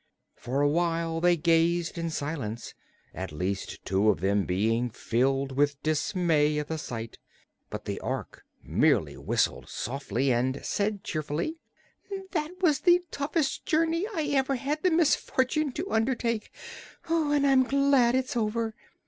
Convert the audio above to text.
For a while they gazed in silence, at least two of them being filled with dismay at the sight. But the Ork merely whistled softly and said cheerfully: "That was the toughest journey I ever had the misfortune to undertake, and I'm glad it's over.